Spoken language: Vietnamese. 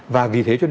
và vì thế cho nên